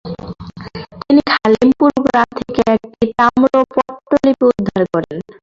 তিনি খালিমপুর গ্রাম থেকে একটি তাম্রপট্টলিপি উদ্ধার করেন।